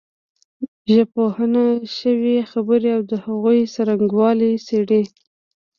ژبپوهنه شوې خبرې او د هغوی څرنګوالی څېړي